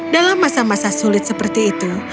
dalam masa masa sulit seperti itu